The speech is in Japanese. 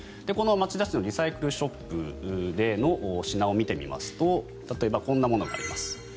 この町田市のリサイクルショップでの品を見てみますと例えば、こんなものがあります。